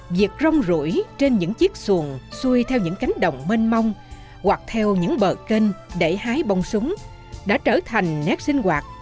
việc rong rủi trên những chiếc xuồng xuôi theo những cánh đồng mênh mông hoặc theo những bờ kênh để hái bông súng đã trở thành nét sinh hoạt có tự lâu đời